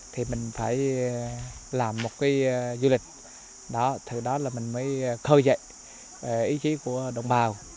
thì mình phải làm một cái du lịch từ đó là mình mới khơi dậy ý chí của đồng bào